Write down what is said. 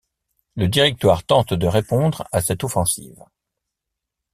Le Directoire tente de répondre à cette offensive.